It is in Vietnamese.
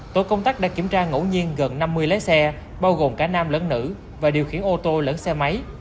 tổ công tác đã kiểm tra ngẫu nhiên gần năm mươi lái xe bao gồm cả nam lẫn nữ và điều khiển ô tô lẫn xe máy